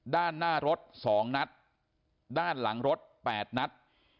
ด้านหน้ารถ๒นัดด้านหลังรถ๘นัด